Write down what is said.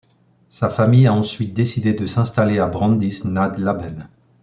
Sa famille a ensuite décidé de s'installer à Brandýs nad Labem.